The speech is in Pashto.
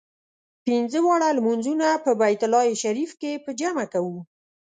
پنځه واړه لمونځونه په بیت الله شریف کې په جمع کوو.